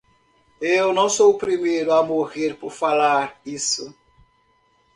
Eu não sou o primeiro a morrer por falar isso.